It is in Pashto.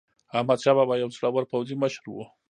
احمدشاه بابا یو زړور پوځي مشر و.